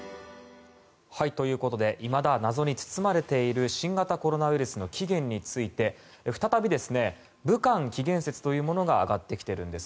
いまだ謎に包まれている新型コロナウイルスの起源について再び、武漢起源説というものが挙がってきているんです。